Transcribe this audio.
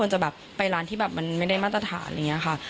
จะแบบไปร้านที่แบบมันไม่ได้มาตรฐานอะไรอย่างนี้ค่ะ